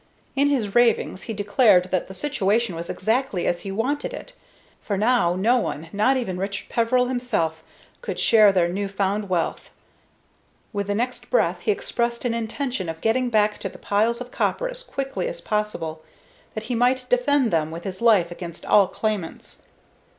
In his ravings he declared that the situation was exactly as he wanted it; for now no one, not even Richard Peveril himself, could share their new found wealth. With the next breath he expressed an intention of getting back to the piles of copper as quickly as possible, that he might defend them with his life against all claimants.